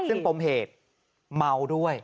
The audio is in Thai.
มีปมเหตุเมาด้วย